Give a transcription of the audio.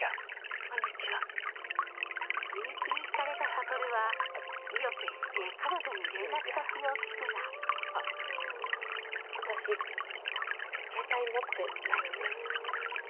みゆきにひかれた悟は、意を決して彼女に連絡先を聞くが私、携帯持ってないんです。